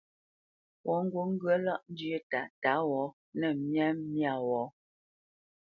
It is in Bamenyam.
Pɔ̌ ŋgǔt ŋgyə̌ lâʼ njyə́ tǎtǎ wɔ̌ nə̂ tǎmyā wɔ̌.